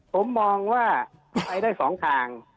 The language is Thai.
ผมมองว่าไปได้๒ทาง